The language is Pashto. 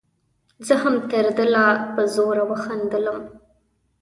زه هم تر ده لا په زوره وخندلم.